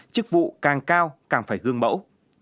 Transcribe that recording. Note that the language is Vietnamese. chức vụ càng cao càng phải gương mẫu